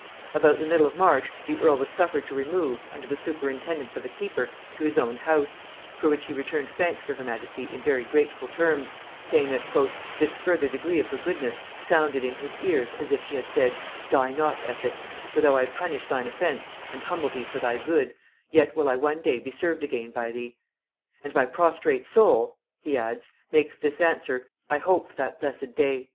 About the middle of March the earl was suffered to remove, under the superintendance of a keeper, to his own house; for which he returned thanks to her majesty in very grateful terms, saying that "this further degree of her goodness sounded in his ears as if she had said, 'Die not, Essex; for though I punish thine offence, and humble thee for thy good, yet will I one day be served again by thee.' And my prostrate soul," he adds, "makes this answer, 'I hope for that blessed day.'"